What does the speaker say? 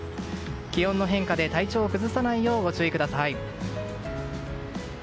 気温の変化で体調を崩さないようご注意ください。